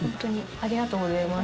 ありがとうございます。